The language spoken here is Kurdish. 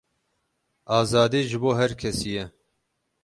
Azadî ji bo her kesî ye.